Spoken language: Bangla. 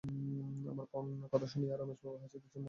আমার কথা শুনিয়া রমেশবাবু হাসিতেছেন, মনে মনে ঠিক পছন্দ করিতেছেন না।